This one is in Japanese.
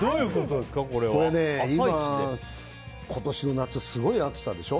今、今年の夏すごい暑さでしょ。